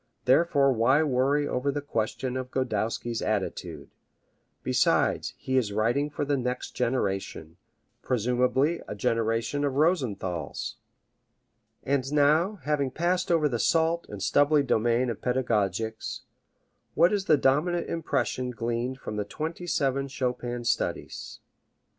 Therefore why worry over the question of Godowsky's attitude! Besides, he is writing for the next generation presumably a generation of Rosenthals. And now, having passed over the salt and stubbly domain of pedagogics, what is the dominant impression gleaned from the twenty seven Chopin studies?